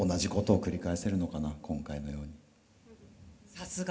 さすが。